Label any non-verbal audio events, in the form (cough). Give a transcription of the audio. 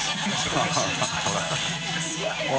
ハハハ (laughs)